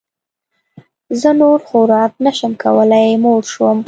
زه نور خوراک نه شم کولی موړ شوم